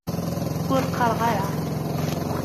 Ur qqareɣ ara.